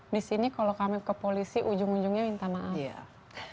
di sini kalau kami ke polisi ujung ujungnya minta maaf